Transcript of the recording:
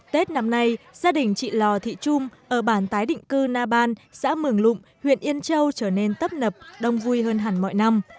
tết năm nay gia đình chị lò thị trung ở bản tái định cư na ban xã mường lụng huyện yên châu trở nên tấp nập đông vui hơn hẳn mọi năm